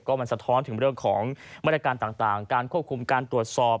มันสะท้อนถึงเรื่องของมาตรการต่างการควบคุมการตรวจสอบ